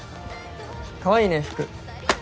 かわいいね服。